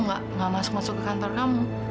nggak masuk masuk ke kantor kamu